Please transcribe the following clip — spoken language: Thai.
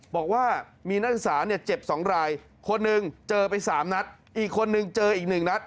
บอกว่ามีนักศึกษาเนี่ยเจ็บ๒รายคนหนึ่งเจอไป๓นัดอีกคนนึงเจออีก๑นัด